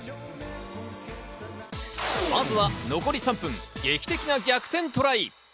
まずは残り３分、劇的な逆転トライ。